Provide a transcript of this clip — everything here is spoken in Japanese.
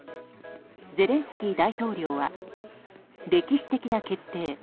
ゼレンスキー大統領は歴史的な決定。